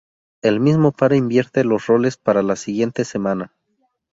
El mismo par invierte los roles para la siguiente semana.